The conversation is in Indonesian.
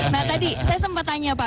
nah tadi saya sempat tanya pak